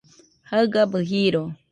jaɨgabɨ jiro